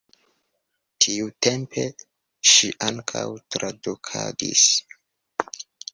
Tiutempe ŝi ankaŭ tradukadis.